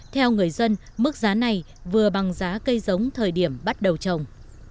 theo người dân mức giá này vừa bằng giá cây giống thời điểm bắt đầu trồng